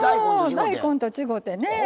大根と違うてね。